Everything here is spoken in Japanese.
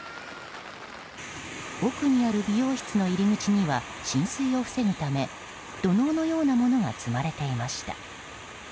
奥にある美容室の入り口には浸水を防ぐため土のうのようなものが積まれていました。